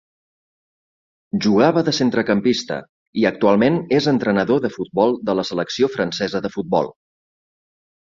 Jugava de centrecampista i actualment és entrenador de futbol de la selecció francesa de futbol.